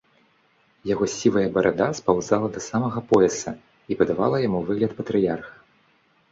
Яго сівая барада спаўзала да самага пояса і надавала яму выгляд патрыярха.